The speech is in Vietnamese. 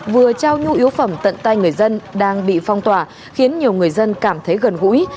vừa trao nhu yếu phẩm tận tay người dân đang bị phong tỏa khiến nhiều người dân cảm thấy gần gũi